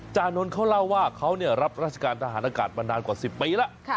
นนท์เขาเล่าว่าเขารับราชการทหารอากาศมานานกว่า๑๐ปีแล้ว